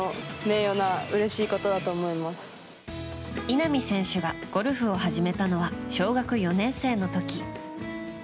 稲見選手がゴルフを始めたのは小学４年生の時。